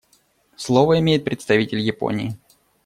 Слово имеет представитель Японии.